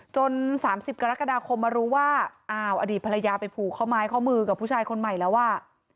๓๐กรกฎาคมมารู้ว่าอ้าวอดีตภรรยาไปผูกข้อไม้ข้อมือกับผู้ชายคนใหม่แล้วอ่ะ